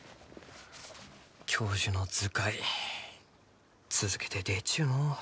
教授の「図解」続けて出ちゅうのう。